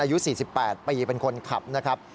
อายุ๔๘ปีเป็นคนขับนะครับ